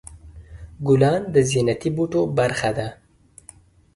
ګلان د زینتي بوټو برخه ده.